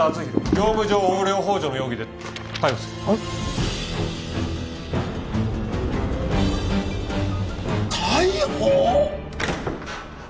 業務上横領幇助の容疑で逮捕するえっ逮捕！？